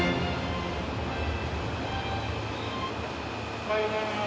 おはようございます。